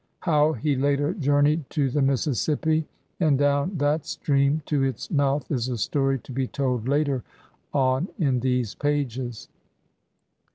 How he later journeyed to the Mississippi and down that stream to its mouth is a story to be told later on in these pages.